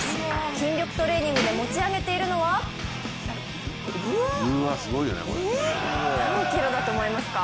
筋力トレーニングで持ち上げているのは何ｋｇだと思いますか？